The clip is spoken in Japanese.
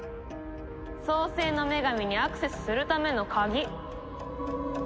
創世の女神にアクセスするための鍵。